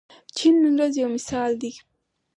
چین نن ورځ یو مثال دی.